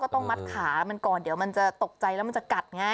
ต้องมัดขามันก่อนเดี๋ยวมันจะตกใจแล้วมันจะกัดไง